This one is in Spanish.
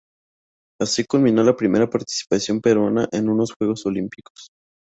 Así culminó la primera participación peruana en unos Juegos Olímpicos.